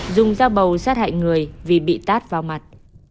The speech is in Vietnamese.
dùng dao bầu sát hại người vì bị tát vào mặt